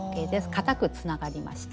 固くつながりました。